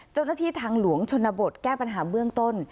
เจ้าหน้าที่ทางหลวงชนบทแก้ปัญหาเบื้องต้น